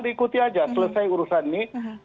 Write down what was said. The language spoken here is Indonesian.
diikuti saja selesai urusan ini